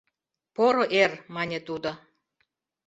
— Поро эр! — мане тудо.